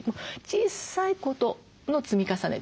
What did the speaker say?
小さいことの積み重ね。